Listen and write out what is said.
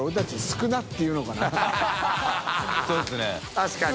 確かに。